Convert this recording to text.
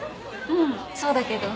うんそうだけど。